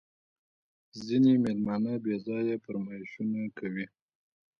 ځیني مېلمانه بېځایه فرمایشونه کوي